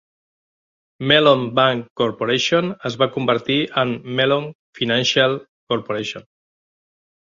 Mellon Bank Corporation es va convertir en Mellon Financial Corporation.